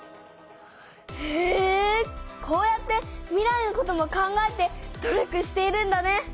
へえこうやって未来のことも考えて努力しているんだね。